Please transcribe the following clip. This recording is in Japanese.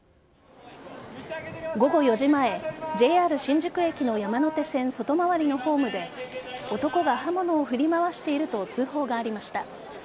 午後４時前、ＪＲ新宿駅の山手線外回りのホームで男が刃物を振り回していると通報がありました。